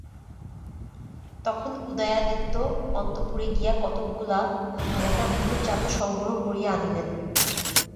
তখন উদয়াদিত্য অন্তঃপুরে গিয়া কতকগুলা খুব মোটা বৃহৎ চাদর সংগ্রহ করিয়া আনিলেন।